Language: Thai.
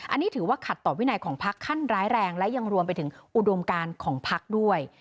อันนี้ถือว่าขัดต่อวินัยของพักขั้นร้ายแรงและยังรวมไปถึงอุดมการของพักด้วย